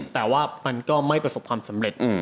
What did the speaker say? แต่ว่ามันก็ไม่ประสบความสำเร็จ